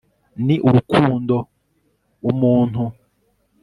ni urukundo umuntu